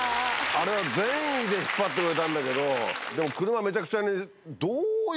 あれは善意で引っ張ってくれたんだけどでも車めちゃくちゃに。